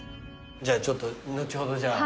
じゃあちょっと後ほどじゃあ。